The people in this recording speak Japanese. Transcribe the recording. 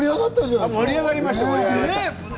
盛り上がりました。